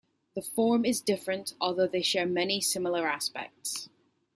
The form is different although they share many similar aspects.